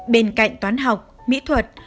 bên cạnh toán học mỹ thuật